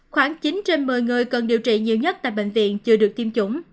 khoảng chín trên một mươi người cần điều trị nhiều nhất tại bệnh viện chưa được tiêm chủng